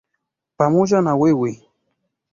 Pamoja na wewe.